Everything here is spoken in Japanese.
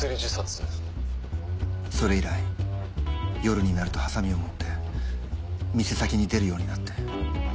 それ以来夜になるとはさみを持って店先に出るようになって。